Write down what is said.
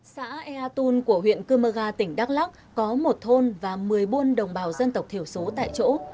xã ea tôn của huyện cư mơ ga tỉnh đắk lắc có một thôn và một mươi bốn đồng bào dân tộc thiểu số tại chỗ